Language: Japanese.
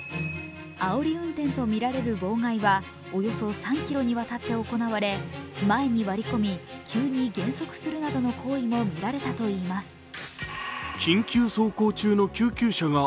あおり運転とみられる妨害はおよそ３ｋｍにわたって渡って行われ前に割り込み、急に減速するなどの行為もみられたということです。